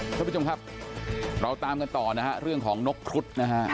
ท่านผู้ชมครับเราตามกันต่อนะฮะเรื่องของนกครุฑนะฮะ